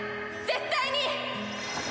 絶対に！